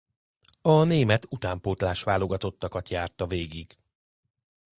A német utánpótlás-válogatottakat járta végig.